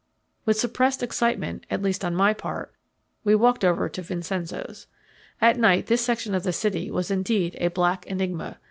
With suppressed excitement, at least on my part, we walked over to Vincenzo's. At night this section of the city was indeed a black enigma.